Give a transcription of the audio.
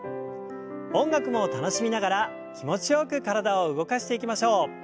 音楽も楽しみながら気持ちよく体を動かしていきましょう。